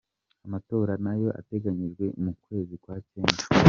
Amatora nayo ateganyijwe mu kwezi kwa cyenda.